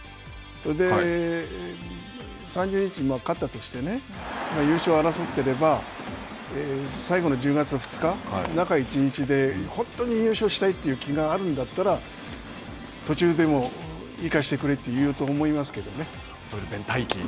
それで、３０日、勝ったとしてね優勝を争ってれば最後の１０月２日中１日で本当に優勝したいという気があるんだったら途中でも行かせてくれと言うと思いますけどね。